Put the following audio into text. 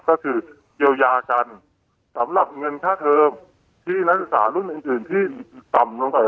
ก็คือเยียวยากันสำหรับเงินค่าเทอมที่นักศึกษารุ่นอื่นที่ต่ำลงไป